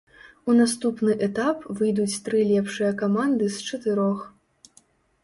У наступны этап выйдуць тры лепшыя каманды з чатырох.